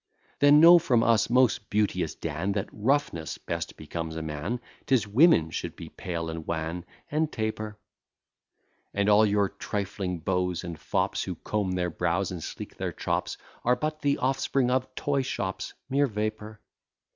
Then know from us, most beauteous Dan, That roughness best becomes a man; 'Tis women should be pale, and wan, and taper; And all your trifling beaux and fops, Who comb their brows, and sleek their chops, Are but the offspring of toy shops, mere vapour.